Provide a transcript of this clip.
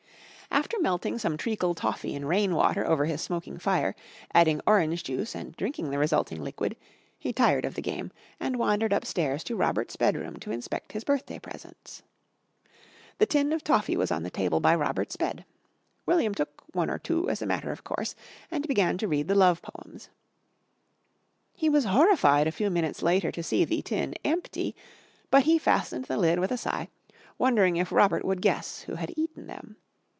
After melting some treacle toffee in rain water over his smoking fire, adding orange juice and drinking the resulting liquid, he tired of the game and wandered upstairs to Robert's bedroom to inspect his birthday presents. The tin of toffee was on the table by Robert's bed. William took one or two as a matter of course and began to read the love poems. He was horrified a few minutes later to see the tin empty, but he fastened the lid with a sigh, wondering if Robert would guess who had eaten them.